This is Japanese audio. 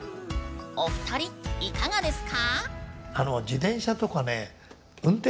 お二人いかがですか。